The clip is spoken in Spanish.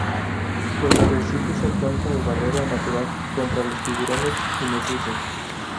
Los arrecifes actúan como barrera natural contra los tiburones y medusas.